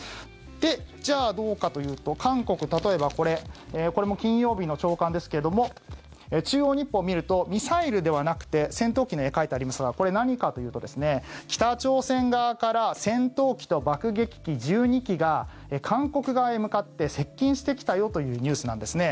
で、じゃあどうかというと韓国、例えばこれこれも金曜日の朝刊ですけれども中央日報を見るとミサイルではなくて戦闘機の絵、描いてありますがこれ、何かというと北朝鮮側から戦闘機と爆撃機１２機が韓国側へ向かって接近してきたよというニュースなんですね。